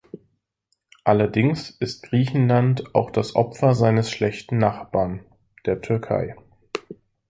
Allerdings ist Griechenland auch das Opfer seines schlechten Nachbarn, der Türkei.